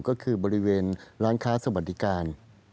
ก็คือบริเวณร้านค้าสวัสดิการ